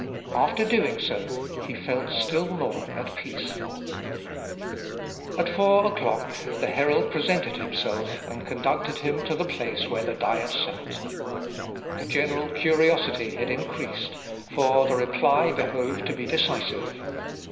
After doing so, he felt still more at peace. [Sidenote: LUTHER'S ADDRESS.] At four o'clock the herald presented himself and conducted him to the place where the Diet sat. The general curiosity had increased, for the reply behoved to be decisive.